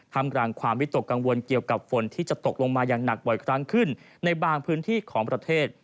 ทำกลางความวิตกกังวลเกี่ยวกับฝนที่จะตกลงมาอย่างหนักบ่อยครั้งขึ้นในบางพื้นที่ของประเทศ